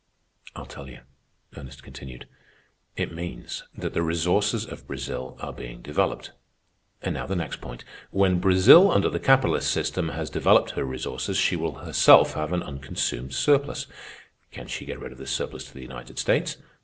"I'll tell you," Ernest continued. "It means that the resources of Brazil are being developed. And now, the next point. When Brazil, under the capitalist system, has developed her resources, she will herself have an unconsumed surplus. Can she get rid of this surplus to the United States?